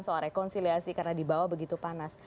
soal rekonsiliasi karena di bawah begitu panas